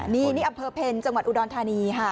นี่นี่อำเภอเพ็ญจังหวัดอุดรธานีค่ะ